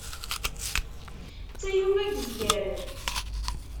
D tayuga n yezgaren.